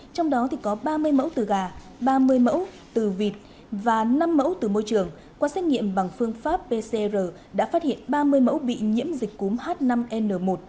trong đó có ba mươi mẫu từ gà ba mươi mẫu từ vịt và năm mẫu từ môi trường qua xét nghiệm bằng phương pháp pcr đã phát hiện ba mươi mẫu bị nhiễm dịch cúm h năm n một